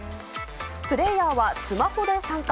プレーヤーはスマホで参加。